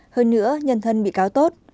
hơn nữa nhân thân bị cáo tốt